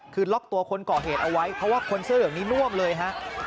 คือล็อกตัวคนก่อเหตุเอาไว้เพราะว่าคนเสื้อเหลืองนี้น่วมเลยฮะ